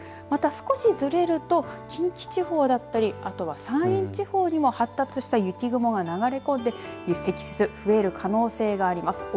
また、少しずれると近畿地方だったりあとは山陰地方にも発達した雪雲が流れ込んで積雪、増える可能性があります。